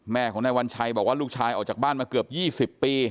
แม่ของนายวัญชัยบอกว่าลูกชายออกจากบ้านมาเกือบ๒๐ปี